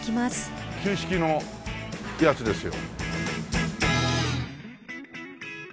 旧式のやつですよ。